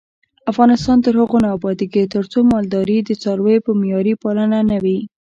افغانستان تر هغو نه ابادیږي، ترڅو مالداري د څارویو په معیاري پالنه نه وي.